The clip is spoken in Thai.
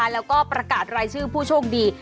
แล้วก็ประกาศรายชื่อผู้โชคดี